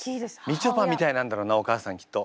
みちょぱみたいなんだろうなお母さんきっと。